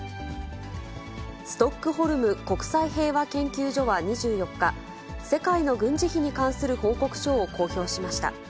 ストックホルム国際平和研究所は２４日、世界の軍事費に関する報告書を公表しました。